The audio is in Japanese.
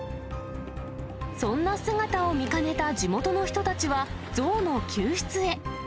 そんな姿を見かねた地元の人たちは、象の救出へ。